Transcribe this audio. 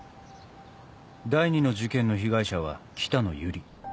第２の事件の被害者は北野由里